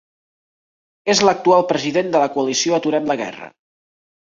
És l'actual president de la Coalició Aturem la Guerra.